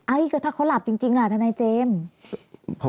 อ้าวถ้าเขาหลับจริงล่ะท่านนายเจมส์